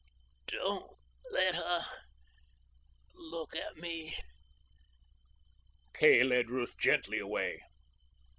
"Don't let her look at me." Kay led Ruth gently away.